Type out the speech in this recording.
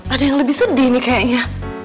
ada yang lebih sedih nih kayaknya